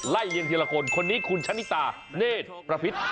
เลียงทีละคนคนนี้คุณชะนิตาเนธประพิษ